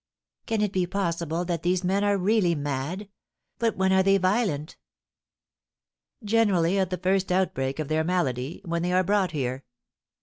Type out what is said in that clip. "Can it be possible that these men are really mad! But when are they violent?" "Generally at the first outbreak of their malady, when they are brought here.